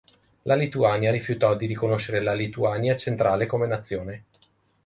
La Lituania rifiutò di riconoscere la Lituania Centrale come nazione.